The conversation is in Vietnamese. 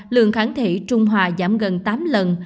lượng kháng thể trung hòa giảm gần tám lần